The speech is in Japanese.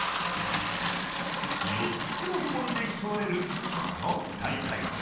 ４つの部門で競われるこの大会。